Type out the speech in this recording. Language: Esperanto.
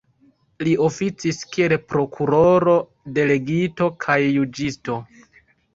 Li oficis kiel prokuroro, delegito kaj juĝisto.